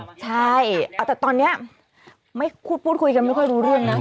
ใช่แต่ตอนนี้ไม่พูดคุยกันไม่ค่อยรู้เรื่องนะ